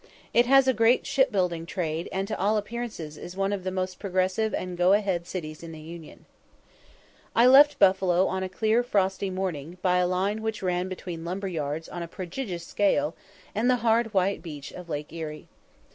It has a great shipbuilding trade, and to all appearance is one of the most progressive and go ahead cities in the Union. I left Buffalo on a clear, frosty morning, by a line which ran between lumber yards [Footnote: Lumber is sawn timber.] on a prodigious scale and the hard white beach of Lake Erie.